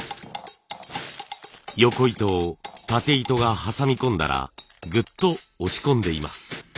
よこ糸をたて糸が挟み込んだらぐっと押し込んでいます。